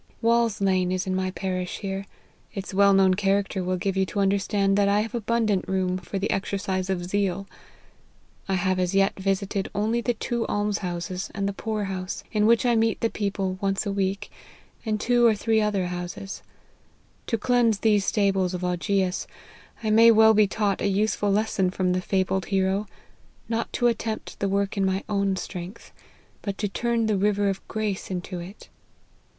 Wall's Lane is in my parish here. Its well known character will give you to understand that I have abundant room for the exercise of zeal. 1 have as yet visited only the two alms houses and the poor house, in which I meet the people once a week, and two or three other houses. To cleanse these stables of Augeas, I may well be taught a useful lesson from the fabled hero not to attempt the work in my own strength, but to turn the river of grace into it.